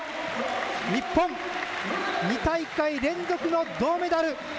日本、２大会連続の銅メダル。